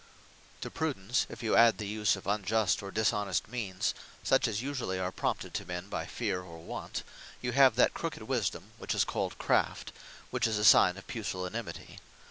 Craft To Prudence, if you adde the use of unjust, or dishonest means, such as usually are prompted to men by Feare, or Want; you have that Crooked Wisdome, which is called CRAFT; which is a signe of Pusillanimity.